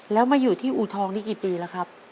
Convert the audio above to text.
แล้วมาอยู่ที่อูทองนี่กี่ปีแล้วครับ